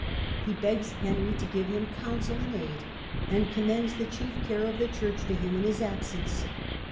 He begs Henry to give him counsel and aid, and commends the chief care of the Church to him in his absence.